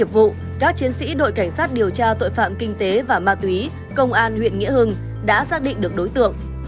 và tội phạm kinh tế và ma túy công an huyện nghĩa hưng đã xác định được đối tượng